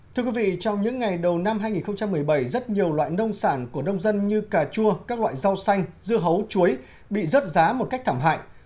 thưa quý vị trong những ngày đầu năm hai nghìn một mươi bảy rất nhiều loại nông sản của nông dân như cà chua các loại rau xanh dưa hấu chuối bị rớt giá một cách thảm hại